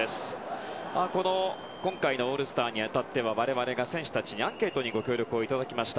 今回のオールスターに当たっては我々が選手たちにアンケートにご協力いただきました。